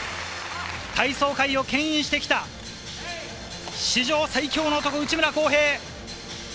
体操界をけん引してきた史上最強の男、内村航平。